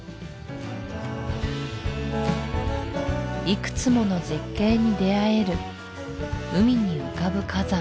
いくつもの絶景に出会える海に浮かぶ火山